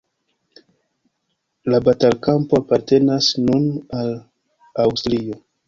La batalkampo apartenas nun al Aŭstrio.